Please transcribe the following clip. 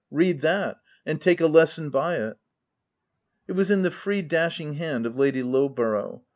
read that, and take a lesson by it!" It was in the free, dashing hand of Lady Lowborough.